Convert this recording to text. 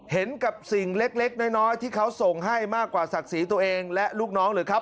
เห็นกับสิ่งเล็กน้อยที่เขาส่งให้มากกว่าศักดิ์ศรีตัวเองและลูกน้องหรือครับ